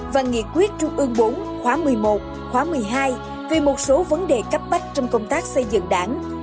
và nghị quyết trung ương bốn khóa một mươi một khóa một mươi hai về một số vấn đề cấp bách trong công tác xây dựng đảng